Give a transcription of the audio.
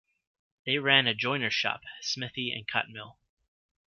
They ran a joiner's shop, smithy and cotton mill.